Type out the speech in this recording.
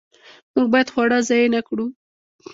موږ باید خواړه ضایع نه کړو.